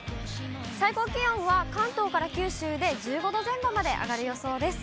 最高気温は、関東から九州で１５度前後まで上がる予想です。